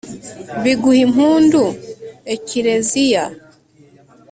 biguh'impundu, ekleziya